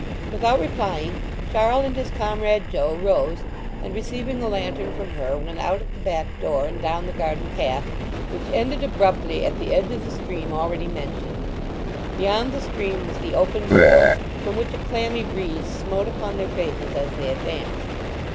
Without replying Charl and his comrade Joe rose, and receiving a lantern from her went out at the back door and down the garden path, which ended abruptly at the edge of the stream already mentioned. Beyond the stream was the open moor, from which a clammy breeze smote upon their faces as they advanced.